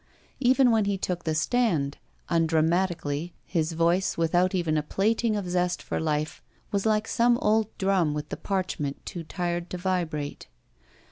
Even when he took the stand, undra matically, his voice, without even a plating of zest for life, was like some old drtmi with the parchment too tired to vibrate.